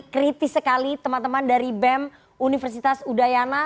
kritis sekali teman teman dari bem universitas udayana